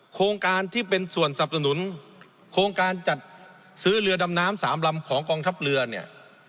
โครงการที่เป็นส่วนสับสนุนโครงการจัดซื้อเรือดำน้ำสามลำของกองทัพเรือเนี่ย